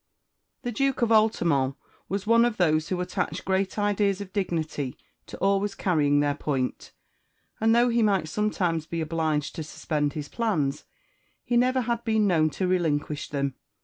The Duke of Altamont was one of those who attach great ideas of dignity to always carrying their point; and though he might sometimes be obliged to suspend his plans, he never had been known to relinquish them.